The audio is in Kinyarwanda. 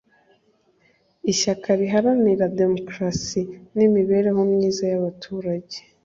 Ishyaka Riharanira Demokarasi n Imibereho Myiza y Abaturaga